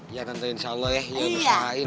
iya kan tante insya allah ya iyan usahain